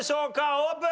オープン！